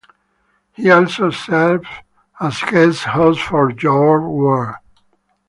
He also serves as guest host for "Your World".